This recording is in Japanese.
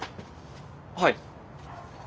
はい。